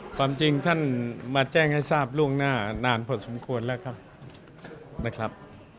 ความจริงท่านมาแจ้งให้ทราบล่วงหน้านานพอสมควรแล้วครับนะครับ